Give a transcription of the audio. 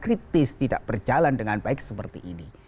kritis tidak berjalan dengan baik seperti ini